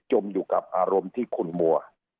มอยู่กับอารมณ์ที่คุณมัว